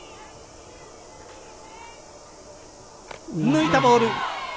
抜いたボール。